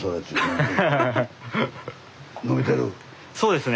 そうですね。